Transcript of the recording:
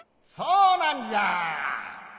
そうなんじゃ！